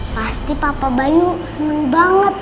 pasti papa bayu senang banget